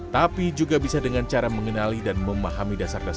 tapi juga bisa dengan cara mengenali dan memahami dasar dasarnya